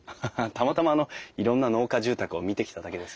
たまたまあのいろんな農家住宅を見てきただけです。